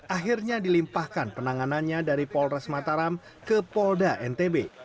akhirnya dilimpahkan penanganannya dari polres mataram ke polda ntb